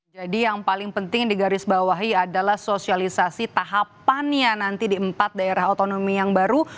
jadi yang paling penting di garis bawahi adalah sosialisasi tahapan ya nanti di empat daerah otonomi yang baru